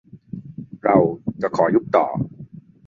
เรา จะขอยุบต่อ